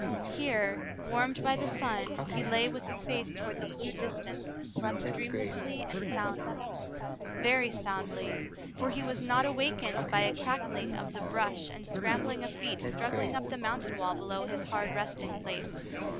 Here, warmed by the sun, he lay with his face toward the blue distance and slept dreamlessly and soundly, — very soundly, for he was not awakened by a crackling of the brush and scrambling of feet struggling up the mountain wall below his hard resting place.